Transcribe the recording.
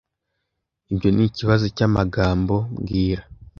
Ibyo nikibazo cyamagambo mbwira